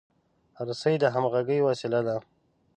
رسۍ د همغږۍ وسیله ده.